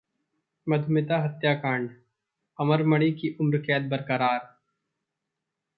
मधुमिता हत्याकांड: अमरमणि की उम्रकैद बरकरार